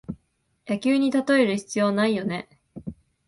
野球にたとえる必要ないよね